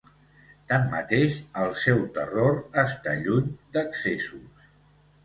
Tanmateix, el seu terror està lluny d'excessos.